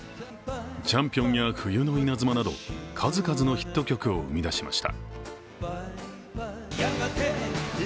「チャンピオン」や「冬の稲妻」など数々のヒット曲を生み出しました。